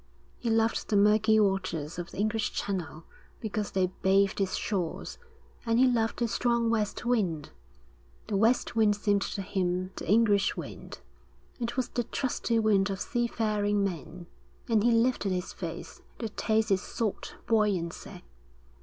He loved the murky waters of the English Channel because they bathed its shores, and he loved the strong west wind. The west wind seemed to him the English wind; it was the trusty wind of seafaring men, and he lifted his face to taste its salt buoyancy.